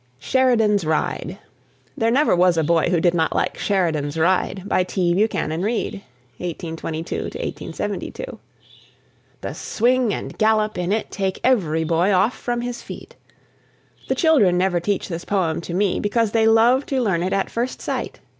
SHERIDAN'S RIDE. There never was a boy who did not like "Sheridan's Ride," by T. Buchanan Read (1822 72). The swing and gallop in it take every boy off from his feet. The children never teach this poem to me, because they love to learn it at first sight.